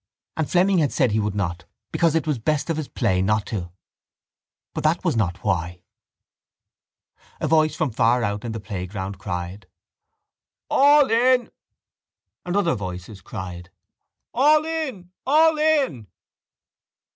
And Fleming had said he would not because it was best of his play not to. But that was not why. A voice from far out on the playground cried: —All in! And other voices cried: —All in! All in!